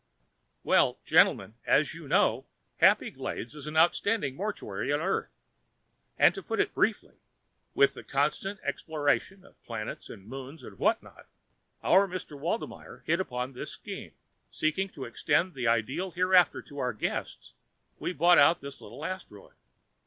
_" "Well, gentlemen, as you know, Happy Glades is the outstanding mortuary on Earth. And, to put it briefly, with the constant explorations of planets and moons and whatnot, our Mr. Waldmeyer hit upon this scheme: Seeking to extend the ideal hereafter to our Guests, we bought out this little asteroid.